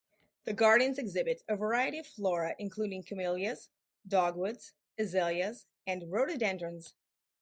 The gardens exhibit a variety of flora including camellias, dogwoods, azaleas, and rhododendrons.